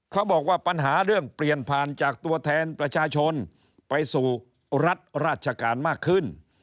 เขาบอกว่าปัญหาเรื่องเปลี่ยนผ่านจากตัวแทนประชาชนไปสู่รัฐราชการมากขึ้น